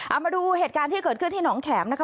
เอามาดูเหตุการณ์ที่เกิดขึ้นที่หนองแขมนะคะ